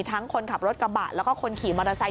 คนขับรถกระบะแล้วก็คนขี่มอเตอร์ไซค